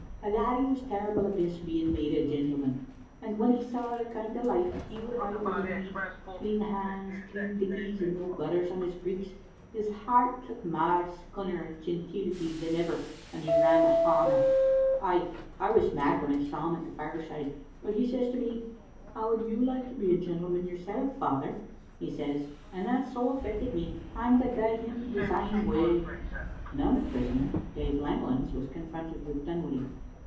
"The laddie was terrible against being made a gentleman, and when he saw the kind o' life he would hae to lead, clean hands, clean dickies, and no gutters on his breeks, his heart took mair scunner at genteelity than ever, and he ran hame. Ay, I was mad when I saw him at the fireside, but he says to me, *How would you like to be a gentleman yoursel', father?' he says, and that so affected me 'at I'm to gie him his ain way." Another prisoner, Dave Langlands, was confronted with Dunwoodie.